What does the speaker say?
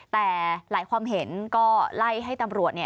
แต่หลายความเห็นก็ไล่ให้ตำรวจ